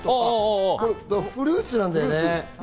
フルーツなんだよね。